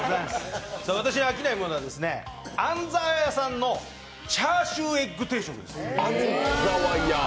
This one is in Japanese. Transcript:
私の飽きないものは安ざわ家さんのチャーシューエッグ定食です。